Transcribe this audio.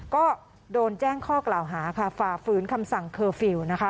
ก็โดนแจ้งข้อกล่าวหาค่ะฝ่าฝืนคำสั่งเคอร์ฟิลล์นะคะ